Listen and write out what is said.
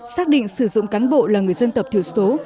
xác định sử dụng cán bộ là người dân tập thiểu số